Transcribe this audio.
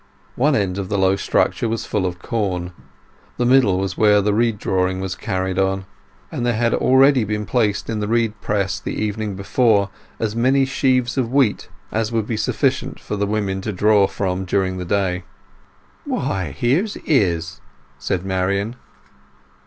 One end of the long structure was full of corn; the middle was where the reed drawing was carried on, and there had already been placed in the reed press the evening before as many sheaves of wheat as would be sufficient for the women to draw from during the day. "Why, here's Izz!" said Marian.